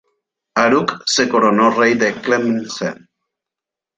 Aruj se coronó rey de Tlemcen.